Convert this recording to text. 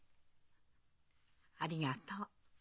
ありがとう。